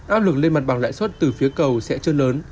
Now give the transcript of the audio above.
áp lực lên mặt bằng lãi suất từ phía cầu sẽ chưa lớn